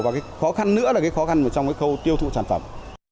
và cái khó khăn nữa là cái khó khăn trong cái khâu tiêu thụ sản phẩm